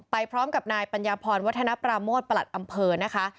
พร้อมกับนายปัญญาพรวัฒนปราโมทประหลัดอำเภอนะคะ